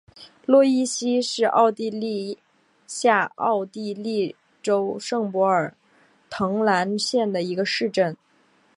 洛伊希是奥地利下奥地利州圣帕尔滕兰县的一个市镇。